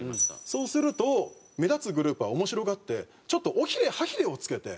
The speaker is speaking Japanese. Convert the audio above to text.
そうすると目立つグループは面白がってちょっと尾ひれはひれを付けて。